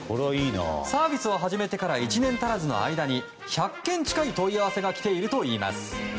サービスを始めてから１年足らずの間に１００件近い問い合わせが来ているといいます。